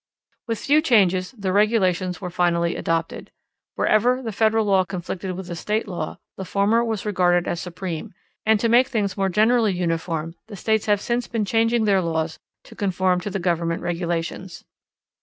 With few changes the regulations were finally adopted. Wherever the federal law conflicted with a state law, the former was regarded as supreme, and to make things more generally uniform the states have since been changing their laws to conform to the Government regulations.